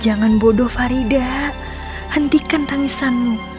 jangan bodoh farida hentikan tangisanmu